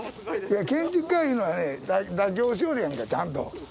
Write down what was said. いや建築家いうのはね妥協しよるやんかちゃんと。